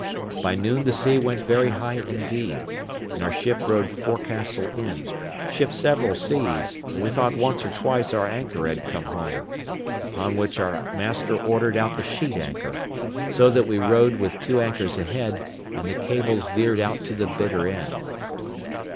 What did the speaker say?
By noon the sea went very high indeed, and our ship rode forecastle in, shipped several seas, and we thought once or twice our anchor had come home; upon which our master ordered out the sheet anchor, so that we rode with two anchors ahead, and the cables veered out to the bitter end.